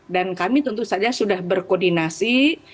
kami tentu saja sudah berkoordinasi